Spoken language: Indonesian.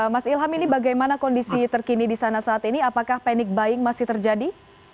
mas ilham ini bagaimana kondisi terkini di sana saat ini apakah panic buying masih terjadi